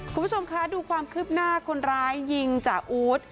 คุณผู้ชมคะดูความคืบหน้าคนร้ายยิงจ่าอู๊ด